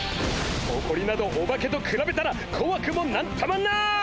ほこりなどオバケとくらべたらこわくも何ともない！